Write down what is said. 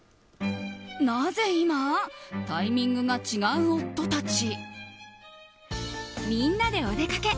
タイミングが違う夫たち。